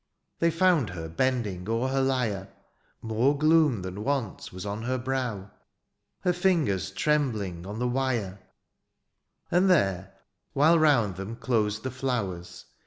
'^ They foimd her bending o'er her lyre. More gloom than wont was on her brow, — Her fingers trembling on the wire ; 30 DIONYSIUS, And there, while round them closed the flowers.